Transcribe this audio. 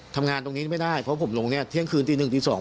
ทำงานตรงนี้ไม่ได้เพราะผมลงเนี่ยเที่ยงคืนตีหนึ่งตี๒